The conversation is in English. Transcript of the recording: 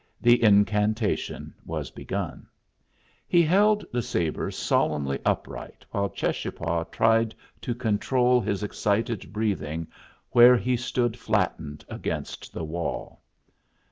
The incantation was begun. He held the sabre solemnly upright, while Cheschapah tried to control his excited breathing where he stood flattened against the wall.